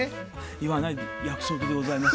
言わない約束でございます。